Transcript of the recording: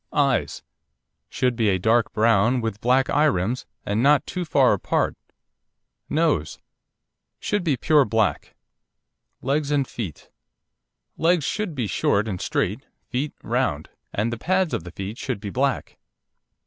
EYES Should be a dark brown, with black eye rims and not too far apart. NOSE Should be pure black. LEGS AND FEET Legs should be short and straight, feet round, and the pads of the feet should be black.